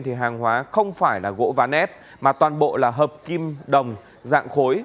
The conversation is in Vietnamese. thì hàng hóa không phải là gỗ ván ép mà toàn bộ là hợp kim đồng dạng khối